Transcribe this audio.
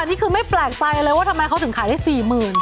นี่คือไม่แปลงใจเลยว่าทำไมเขาถึงขายดีกว่า๔๐๐๐๐